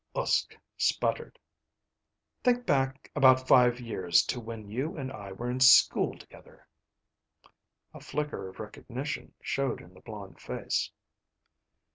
Uske sputtered. "Think back about five years to when you and I were in school together." A flicker of recognition showed in the blond face.